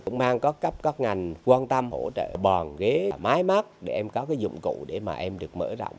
em cũng mang có cấp các ngành quan tâm hỗ trợ bàn ghế mái mắt để em có cái dụng cụ để mà em được mở rộng